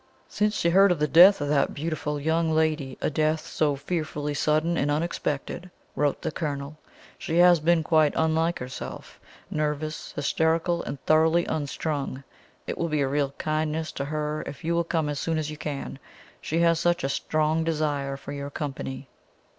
"Since she heard of the death of that beautiful young lady, a death so fearfully sudden and unexpected," wrote the Colonel, "she has been quite unlike herself nervous, hysterical, and thoroughly unstrung. It will be a real kindness to her if you will come as soon as you can she has such, a strong desire for your company."